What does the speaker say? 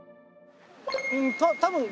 多分。